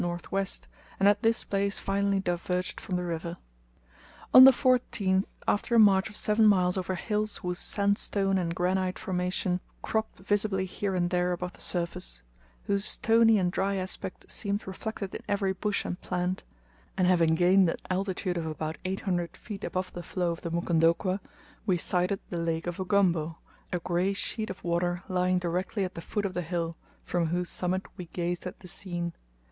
N.W., and at this place finally diverged from the river. On the 14th, after a march of seven miles over hills whose sandstone and granite formation cropped visibly here and there above the surface, whose stony and dry aspect seemed reflected in every bush and plant, and having gained an altitude of about eight hundred feet above the flow of the Mukondokwa, we sighted the Lake of Ugombo a grey sheet of water lying directly at the foot of the hill, from whose summit we gazed at the scene.